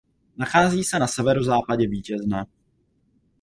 Nachází se na severozápadě Vítězné.